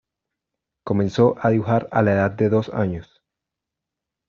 Comenzó a dibujar a la edad de dos años.